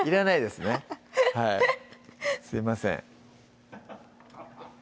すいません